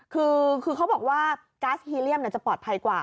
คือเขาบอกว่าก๊าซฮีเรียมจะปลอดภัยกว่า